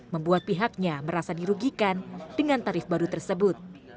membuat pihaknya merasa dirugikan dengan tarif baru tersebut